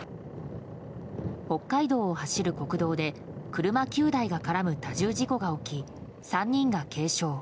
北海道を走る国道で車９台が絡む多重事故が起き３人が軽傷。